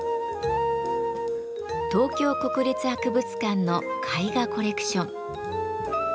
東京国立博物館の絵画コレクション。